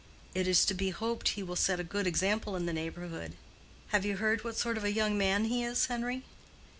It is to be hoped he will set a good example in the neighborhood. Have you heard what sort of a young man he is, Henry?"